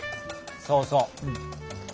そうそう。